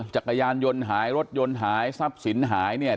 จักรยานยนต์หายรถยนต์หายทรัพย์สินหายเนี่ย